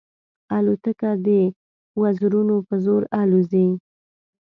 الوتکه د وزرونو په زور الوزي.